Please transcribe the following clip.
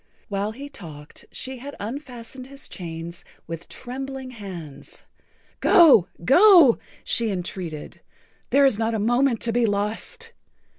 While he talked she had unfastened his chains with trembling hands. "Go! Go!" she entreated. "There is not a moment to be lost.